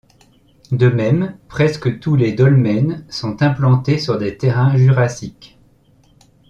De même, presque tous les dolmens sont implantés sur des terrains jurassiques.